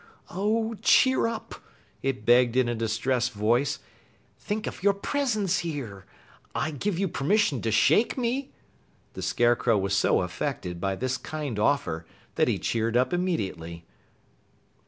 "Oh, cheer up!" it begged in a distressed voice. "Think of your presence here I give you permission to shake me!" The Scarecrow was so affected by this kind offer that he cheered up immediately.